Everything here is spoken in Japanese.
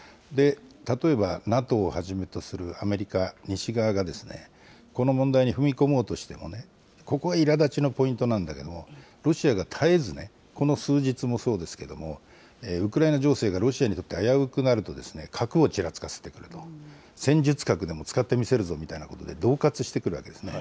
例えばＮＡＴＯをはじめとするアメリカ、西側がこの問題に踏み込もうとしても、ここ、いらだちのポイントなんだけども、ロシアが絶えずこの数日もそうですけども、ウクライナ情勢がロシアに危うくなると核をちらつかせてくると、戦術核でも使ってみせるぞみたいなことで、恫喝してくるわけですね。